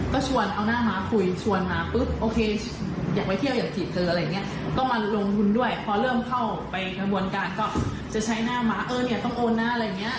พึ่งเข้าไปกระบวนการก็จะใช้หน้ามาเอ่อเนี่ยต้องโอนหน้าอะไรอย่างเงี้ย